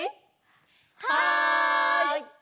はい！